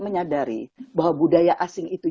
menyadari bahwa budaya asing itu